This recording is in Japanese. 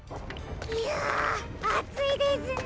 ひゃあついですね。